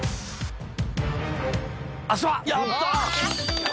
やったあ！